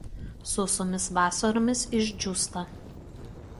Sausomis vasaromis išdžiūsta.